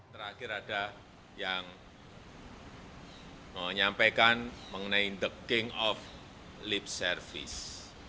terakhir ada yang menyampaikan mengenai the king of lip service